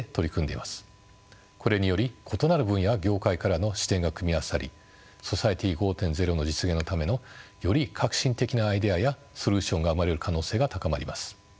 これにより異なる分野や業界からの視点が組み合わさりソサイエティ５．０の実現のためのより革新的なアイデアやソリューションが生まれる可能性が高まります。